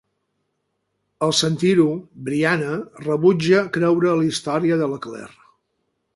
AL sentir-ho, Brianna rebutja creure la història de la Claire.